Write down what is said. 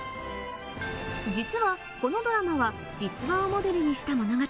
実はこのドラマは実話をモデルにした物語。